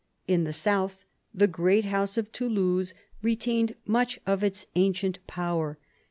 In the south the great house of Toulouse retained much of its ancient power.